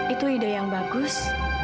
itu ide yang bagus